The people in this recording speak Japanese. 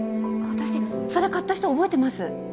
私それ買った人覚えてます